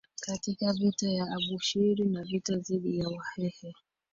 katika vita ya Abushiri na vita dhidi ya Wahehe